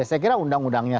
saya kira undang undangnya